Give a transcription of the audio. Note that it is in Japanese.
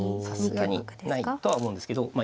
さすがにないとは思うんですけど。